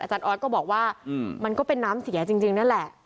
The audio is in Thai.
ออสก็บอกว่ามันก็เป็นน้ำเสียจริงนั่นแหละ